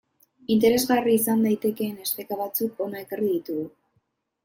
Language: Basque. Interesgarri izan daitezkeen esteka batzuk hona ekarri ditugu.